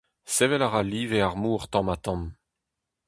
Sevel a ra live ar mor tamm-ha-tamm.